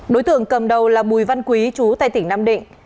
đối tượng cầm đầu là bùi văn quý chú tại tỉnh nam định